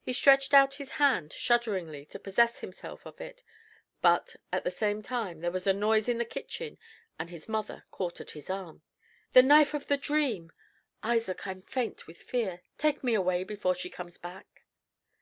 He stretched out his hand shudderingly to possess himself of it; but, at the same time, there was a noise in the kitchen, and his mother caught at his arm. "The knife of the dream! Isaac, I'm faint with fear. Take me away before she comes back."